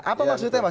apa maksudnya mas